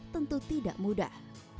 tentu tidak mudah